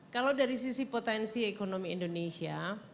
kalau dari sisi potensi ekonomi indonesia